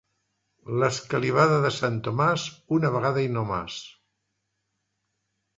L'escalivada de sant Tomàs, una vegada i no mas.